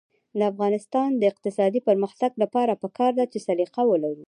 د افغانستان د اقتصادي پرمختګ لپاره پکار ده چې سلیقه ولرو.